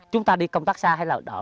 chúng ta đi công tác xa hay là đỡ